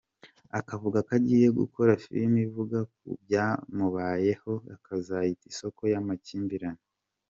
Akavuga ko agiye gukora filime ivuga ku byamubayeho akazayita ‘Isoko y’amakimbirane.